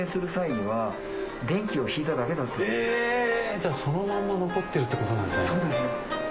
じゃあそのまんま残ってるってことなんですね。